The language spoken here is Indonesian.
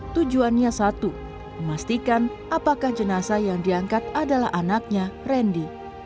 tujuannya satu memastikan apakah jenazah yang diangkat adalah anaknya randy